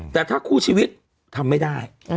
แต่ถ้าคู่ชีวิตทำไม่ได้